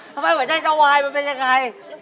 ทำไมโคเจเจ้าวายมันเป็นอย่างนี้ครับ